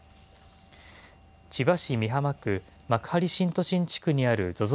千葉市美浜区幕張新都心地区にあるＺＯＺＯ